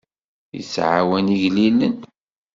Yettɛawan igellilen.